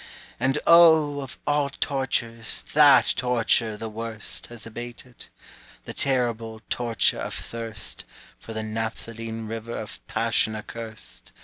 And O, of all tortures That torture the worst Has abated, the terrible Torture of thirst For the naphthaline river Of Passion accurst!